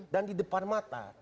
dan di depan mata